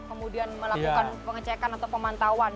kemudian melakukan pengecekan atau pemantauan